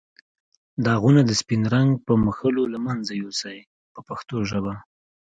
داغونه د سپین رنګ په مښلو له منځه یو سئ په پښتو ژبه.